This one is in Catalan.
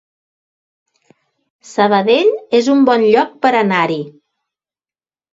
Sabadell es un bon lloc per anar-hi